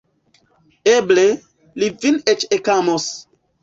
Eble, li vin eĉ ekamos.